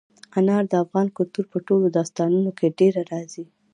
انار د افغان کلتور په ټولو داستانونو کې ډېره راځي.